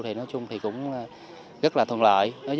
thì nói chung cũng rất là thuận lợi